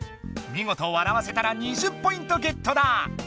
みごと笑わせたら２０ポイントゲットだ！